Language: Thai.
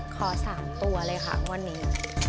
ขอ๓ตัวเลยค่ะงวดนี้